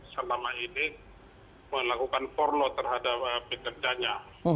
selama ini melakukan forlo terhadap pekerjanya